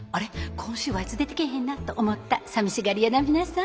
今週はあいつ出てけえへんな？」と思った寂しがり屋の皆さん